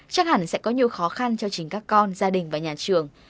chắc hẳn sẽ có nhiều khó khăn cho chính các con gia đình và nhà trường